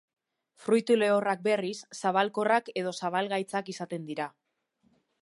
Fruitu lehorrak, berriz, zabalkorrak edo zabalgaitzak izaten dira.